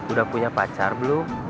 udah punya pacar belum